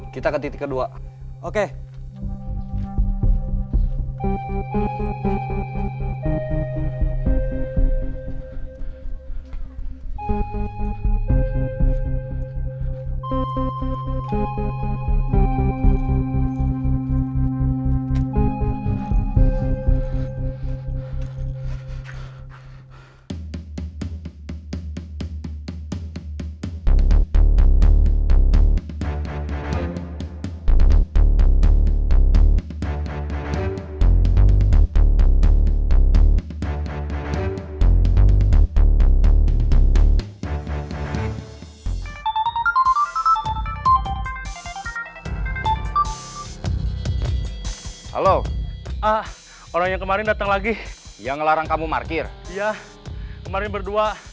kita ke titik kedua